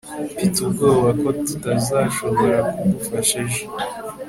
mfite ubwoba ko tutazashobora kugufasha ejo